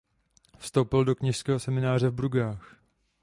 Vstoupil do Kněžského semináře v Bruggách.